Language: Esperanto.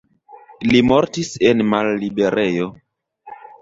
Li mortis en la malliberejo.